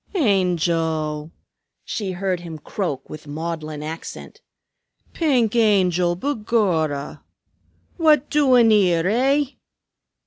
"Angel!" she heard him croak with maudlin accent. "Pink Angel, begorrah! What doin' 'ere, eh?